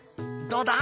どうだ？